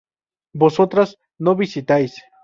vosotras no visitáis